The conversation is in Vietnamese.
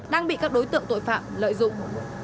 đang bị các đối tượng tội phạm lợi dụng